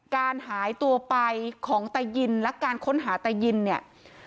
การหายตัวไปของตายินและการค้นหาตายินเนี่ย